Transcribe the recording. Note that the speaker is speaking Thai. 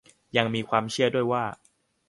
ยังมีความเชื่อด้วยว่า